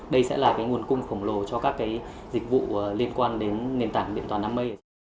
đây sẽ là cái nguồn cung khổng lồ cho các dịch vụ liên quan đến nền tảng điện toán đám mây